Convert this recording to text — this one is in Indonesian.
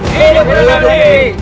hei hidup beragami